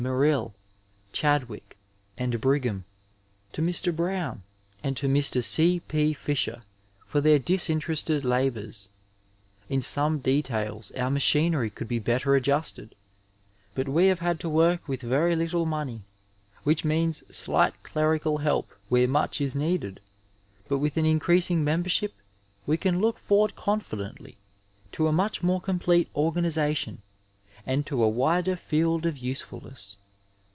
Morrill, Chadwick, and Brigham, to Mr. Browne and to Mr. C. P. Fisher for their disinterested labours. In< some details our machinery could be better adjusted^^'ibut we have had to work with very little money, which' means slight clerical help where much is needed, but with an increasing membership we can look forward confidently to a much more complete organization and to a wider field of usefulness.